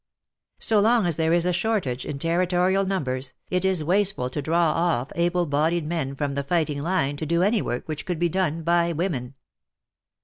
So long as there is a shortage in Territorial numbers, it is wasteful to draw off able bodied men from the fighting line to do any work which could be done by women.